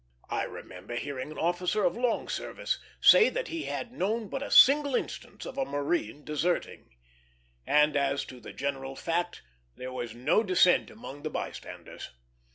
I remember hearing an officer of long service say that he had known but a single instance of a marine deserting; and as to the general fact there was no dissent among the by standers.